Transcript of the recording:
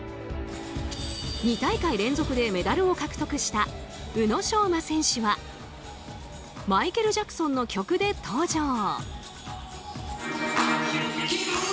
２大会連続でメダルを獲得した宇野昌磨選手はマイケル・ジャクソンの曲で登場。